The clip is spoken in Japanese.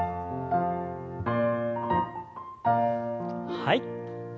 はい。